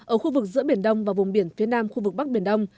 ở khu vực giữa biển đông và vùng biển phía nam khu vực bắc biển đông